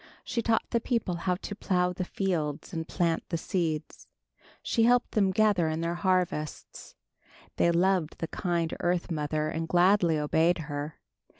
She taught the people how to plow the fields and plant the seeds. She helped them gather in their harvests. They loved the kind earth mother and gladly obeyed her.